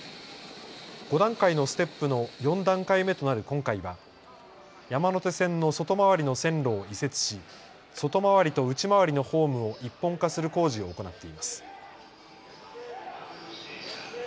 ５段階のステップの４段階目となる今回は山手線の外回りの線路を移設し外回りと内回りのホームを一本化する工事を行っています。